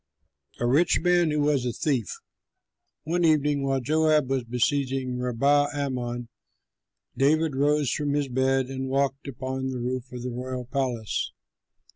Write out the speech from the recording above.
A RICH MAN WHO WAS A THIEF One evening, while Joab was besieging Rabbath Ammon, David rose from his bed and walked upon the roof of the royal palace.